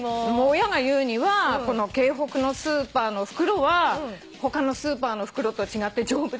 親が言うにはこの京北のスーパーの袋は他のスーパーの袋と違って丈夫だって。